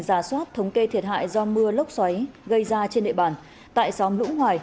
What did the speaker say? giả soát thống kê thiệt hại do mưa lốc xoáy gây ra trên địa bàn tại xóm lũng hoài